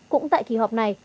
bốn cũng tại kỳ họp này